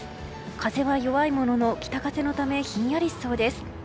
風は弱いものの北風のため、ひんやりしそうです。